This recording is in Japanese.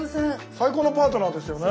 最高のパートナーですよね。